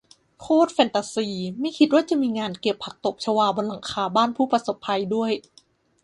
โคตรแฟนตาซี ไม่คิดว่าจะมีงานเก็บผักตบชวาบนหลังคาบ้านผู้ประสบภัยด้วย